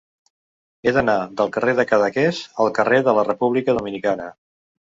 He d'anar del carrer de Cadaqués al carrer de la República Dominicana.